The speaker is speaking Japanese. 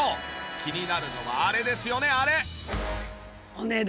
気になるのはあれですよねあれ。